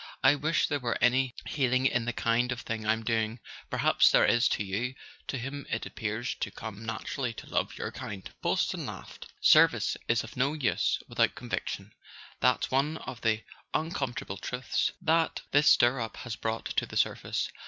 "I wish there were any healing in the kind of thing I'm doing; perhaps there is to you, to whom it appears to come naturally to love your kind." (Boylston laughed.) "Service is of no use without conviction: that's one of the uncomfortable truths this stir up has brought to the surface.